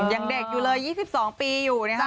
ยังเด็กอยู่เลย๒๒ปีอยู่นะคะ